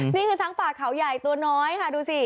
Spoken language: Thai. นี่คือช้างป่าเขาใหญ่ตัวน้อยค่ะดูสิ